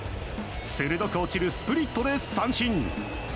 鋭く落ちるスプリットで三振。